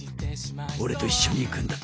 俺と一緒に行くんだ。